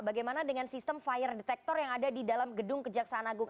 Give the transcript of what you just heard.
bagaimana dengan sistem fire detector yang ada di dalam gedung kejaksaan agung